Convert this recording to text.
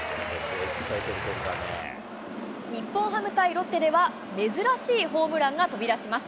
日本ハム対ロッテでは、珍しいホームランが飛び出します。